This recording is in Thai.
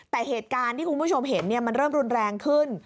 แต่เหตุการณ์ที่คุณผู้ชมเห็นมันเริ่มรุนแรงขึ้น